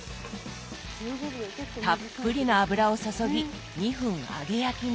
たっぷりの油を注ぎ２分揚げ焼きに。